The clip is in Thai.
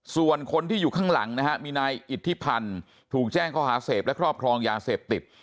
ส่วนคนที่อยู่ข้างหลังนะฮะมีนายอิทธิพันธ์ถูกแจ้งข้อหาเสพและครอบครองยาเสพติด